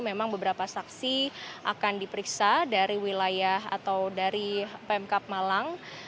memang beberapa saksi akan diperiksa dari wilayah atau dari pemkap malang